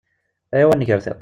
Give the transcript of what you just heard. Ayaw ad nger tiṭ.